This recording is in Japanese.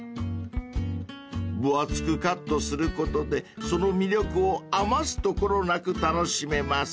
［分厚くカットすることでその魅力を余すところなく楽しめます］